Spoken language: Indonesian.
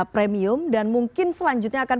premium dan mungkin selanjutnya akan